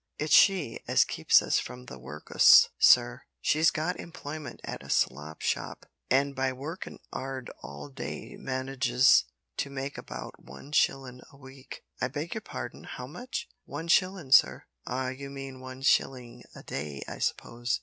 It's she as keeps us from the work'us, sir. She's got employment at a slop shop, and by workin' 'ard all day manages to make about one shillin' a week." "I beg your pardon how much?" "One shillin', sir." "Ah, you mean one shilling a day, I suppose."